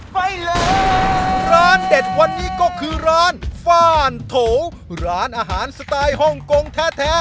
ไปแล้วร้านเด็ดวันนี้ก็คือร้านฟ่านโถร้านอาหารสไตล์ฮ่องกงแท้